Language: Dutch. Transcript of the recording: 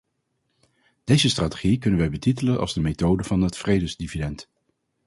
Deze strategie kunnen wij betitelen als de methode van het vredesdividend.